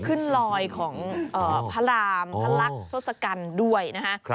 ขึ้นรอยของพระรามพระรักษ์ทศกัณฐ์ด้วยนะคะ